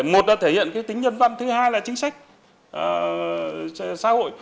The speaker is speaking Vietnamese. một là thể hiện tính nhân văn thứ hai là chính sách xã hội